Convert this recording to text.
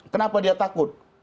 kenapa dia takut